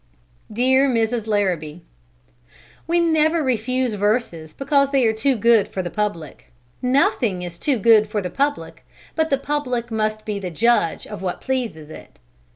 DEAR MRS. LARRABEE: We never refuse verses because they are too good for the public. Nothing is too good for the public, but the public must be the judge of what pleases it.